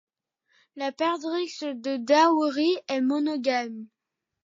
La perdrix de Daourie est monogame.